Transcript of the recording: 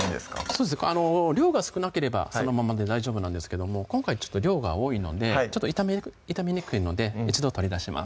そうですね量が少なければそのままで大丈夫なんですけども今回量が多いので炒めにくいので一度取り出します